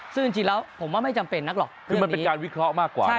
ซึ่งจริงแล้วผมว่าไม่จำเป็นนักหรอกคือมันเป็นการวิเคราะห์มากกว่า